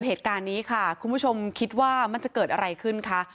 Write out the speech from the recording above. เหตุการณ์นี้ค่ะคุณผู้ชมคิดว่ามันจะเกิดอะไรขึ้นคะ